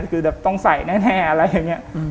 คือแบบต้องใส่แน่อะไรอย่างนี้